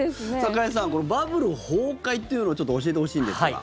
加谷さんバブル崩壊というのをちょっと教えてほしいんですが。